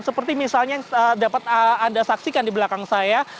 seperti misalnya yang dapat anda saksikan di belakang saya